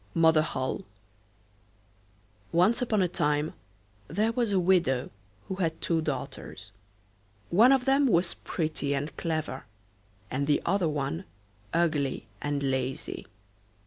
MOTHER HOLLE Once upon a time there was a widow who had two daughters; one of them was pretty and clever, and the other ugly and lazy.